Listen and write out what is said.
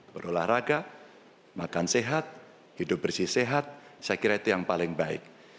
berolahraga makan sehat hidup bersih sehat saya kira itu yang paling baik